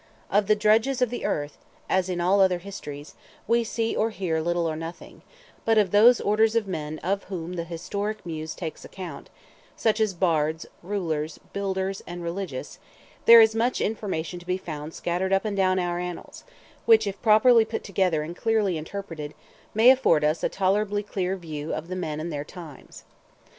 Of the drudges of the earth, as in all other histories, we see or hear little or nothing, but of those orders of men of whom the historic muse takes count, such as bards, rulers, builders, and religious, there is much information to be found scattered up and down our annals, which, if properly put together and clearly interpreted, may afford us a tolerably clear view of the men and their times.